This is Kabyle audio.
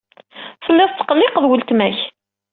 Telliḍ tettqelliqeḍ weltma-k.